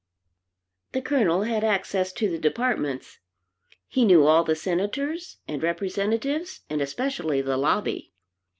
The Colonel had access to the departments. He knew all the senators and representatives, and especially, the lobby.